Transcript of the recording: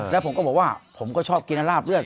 แล้วผมก็บอกว่าผมก็ชอบกินราบเลือด